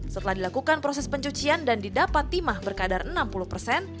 setelah dilakukan proses pencucian dan didapat timah berkadar enam puluh persen